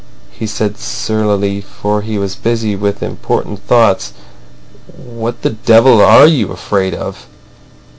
He said surlily, for he was busy with important thoughts: "What the devil are you afraid of?"